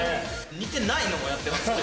似てないのもやってますよね。